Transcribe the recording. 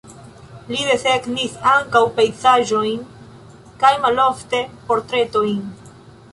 Li desegnis ankaŭ pejzaĝojn kaj malofte portretojn.